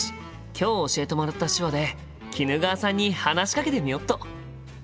今日教えてもらった手話で衣川さんに話しかけてみよっと！